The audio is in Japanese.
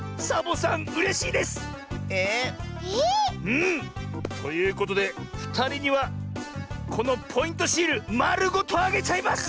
うん。ということでふたりにはこのポイントシールまるごとあげちゃいます！